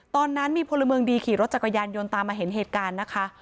ตอนนั้นมีพลเมืองดีขี่รถจักรยานยนต์ตามมาเห็นเหตุการณ์นะคะ